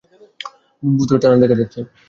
ভূতুড়ে টানেলে মজা কোরো।